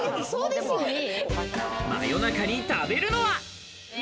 夜中に食べるのは。